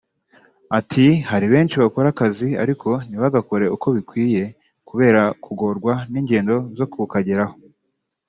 Ati “Hari benshi bakora akazi ariko ntibagakore uko bikwiye kubera kugorwa n’ingendo zo kukageraho